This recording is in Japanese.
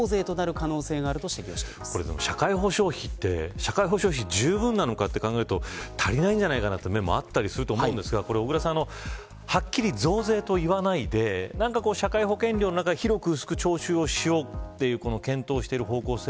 社会保障費ってじゅうぶんなのかと考えると足りないんじゃないかなという面もあったりすると思いますが小倉さんはっきり増税と言わないで社会保険料の中から広く徴収しようという検討してる方向性